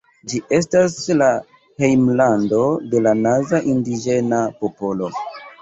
Ĝi estas la hejmlando de la Naza indiĝena popolo.